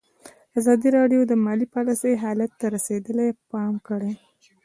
ازادي راډیو د مالي پالیسي حالت ته رسېدلي پام کړی.